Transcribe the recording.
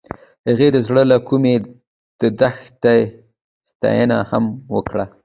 هغې د زړه له کومې د دښته ستاینه هم وکړه.